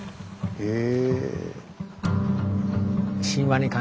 へえ。